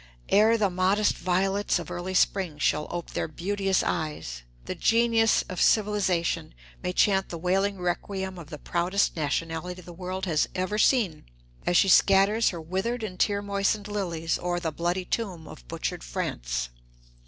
Ere the modest violets of early spring shall ope their beauteous eyes, the genius of civilization may chant the wailing requiem of the proudest nationality the world has ever seen, as she scatters her withered and tear moistened lilies o'er the bloody tomb of butchered France.